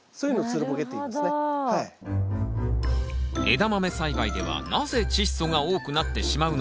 エダマメ栽培ではなぜチッ素が多くなってしまうのか？